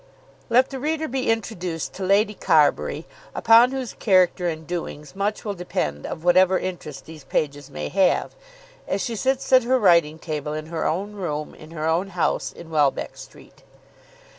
Let the reader be introduced to Lady Carbury, upon whose character and doings much will depend of whatever interest these pages may have, as she sits at her writing table in her own room in her own house in Welbeck Street.